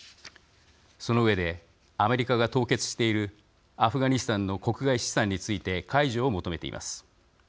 その上で、アメリカが凍結しているアフガニスタンの国外資産について解除を求めています。